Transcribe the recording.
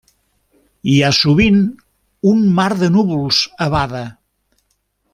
Hi ha sovint un mar de núvols a Bada.